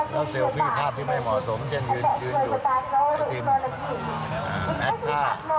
แล้วเซลฟี่ภาพที่ไม่เหมาะสมยังยืนอยู่ไอติมแอคท่า